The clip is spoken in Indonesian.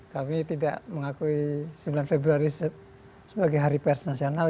kami tidak mengakui sembilan februari sebagai hari pers nasional